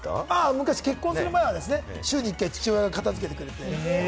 昔、結婚する前は週に１回、父親が片付けてくれてました。